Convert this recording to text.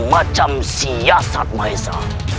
macam siasat baeza